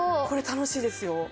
これ楽しいですよ。